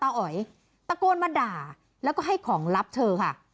อ๋อยตะโกนมาด่าแล้วก็ให้ของลับเธอค่ะ